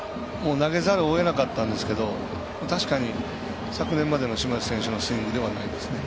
投げざるをえなかったんですけど確かに、昨年までの島内選手のスイングではないですね。